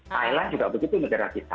thailand juga begitu negara kita